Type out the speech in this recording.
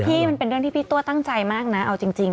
มันเป็นเรื่องที่พี่ตัวตั้งใจมากนะเอาจริง